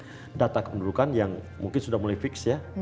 ada data kependudukan yang mungkin sudah mulai fix ya